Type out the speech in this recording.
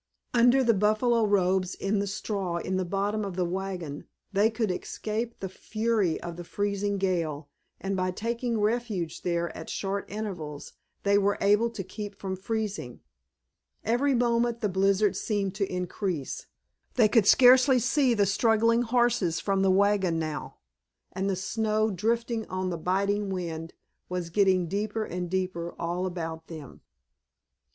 Under the buffalo robes in the straw in the bottom of the wagon they could escape the fury of the freezing gale, and by taking refuge there at short intervals they were able to keep from freezing. Every moment the blizzard seemed to increase. They could scarcely see the struggling horses from the wagon now, and the snow, drifting on the biting wind, was growing deeper and deeper all about them.